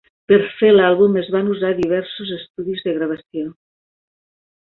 Per fer l'àlbum es van usar diversos estudis de gravació.